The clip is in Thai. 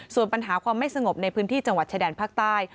ส่วนปัญหาความไม่สงบในพื้นที่จังหวัดชายแดนภาคใต้